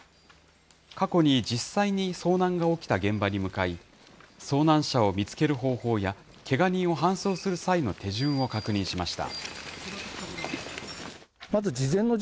過去に実際に遭難が起きた現場に向かい、遭難者を見つける方法や、けが人を搬送する際の手順を確認しました。